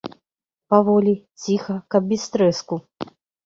Паволі, ціха, каб без трэску.